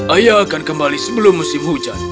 ayah akan kembali sebelum musim hujan